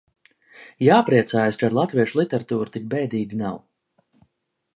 Jāpriecājas, ka ar latviešu literatūru tik bēdīgi nav.